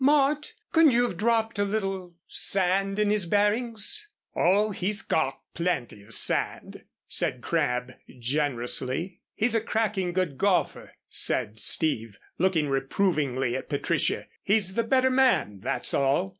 Mort, couldn't you have dropped a little sand in his bearings?" "Oh, he's got plenty of sand," said Crabb generously. "He's a cracking good golfer," said Steve, looking reprovingly at Patricia. "He's the better man, that's all."